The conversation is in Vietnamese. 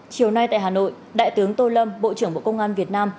chiều nay tại hà nội đại tướng tô lâm bộ trưởng bộ công an việt nam